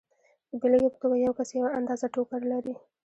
د بېلګې په توګه یو کس یوه اندازه ټوکر لري